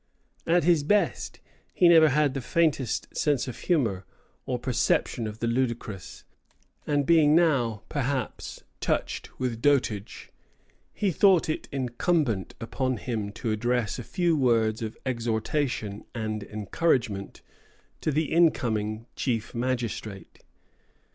At his best he never had the faintest sense of humor or perception of the ludicrous, and being now perhaps touched with dotage, he thought it incumbent upon him to address a few words of exhortation and encouragement to the incoming chief magistrate.